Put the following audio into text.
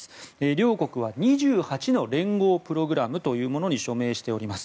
両国は２８の連合プログラムというものに署名しております。